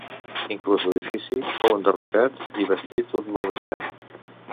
Inclús l'edifici fou enderrocat i bastit un molt més gran.